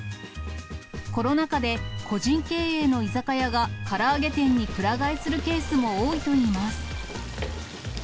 コロナ禍で、個人経営の居酒屋がから揚げ店にくら替えするケースも多いといいます。